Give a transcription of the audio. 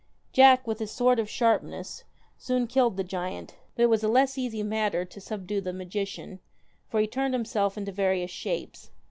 Jack, with his sword of sharpness, soon killed the giant, but it was a less easy matter to subdue the magician, for he turned himself into various shapes.